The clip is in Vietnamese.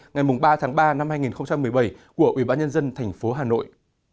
ngày ba ba hai nghìn một mươi bảy của ubnd tp hà nội